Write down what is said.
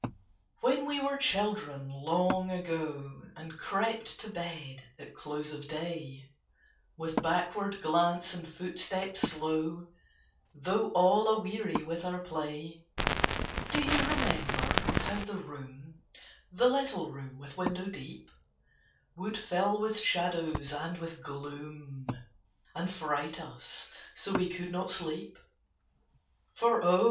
When we were children, long ago, And crept to bed at close of day, With backward glance and footstep slow, Though all aweary with our play, Do you remember how the room The little room with window deep Would fill with shadows and with gloom, And fright us so we could not sleep? For O!